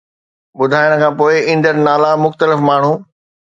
ٻڌائڻ کان پوءِ، ايندڙ نالا مختلف ماڻهو